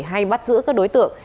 hay bắt giữ các đối tượng